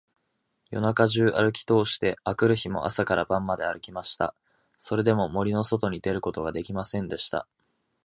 夜中じゅうあるきとおして、あくる日も朝から晩まであるきました。それでも、森のそとに出ることができませんでした。